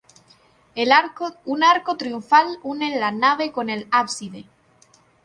Un arco triunfal une la nave con el ábside.